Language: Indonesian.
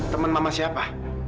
teman mama siapa